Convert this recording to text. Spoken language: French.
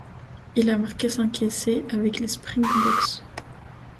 Il a marqué cinq essais avec les Springboks.